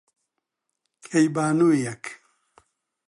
کەیبانوویەک،